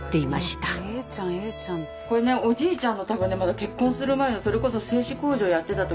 これねおじいちゃんが多分ねまだ結婚する前のそれこそ製糸工場やってた時の。